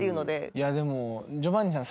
いやでもジョバンニさん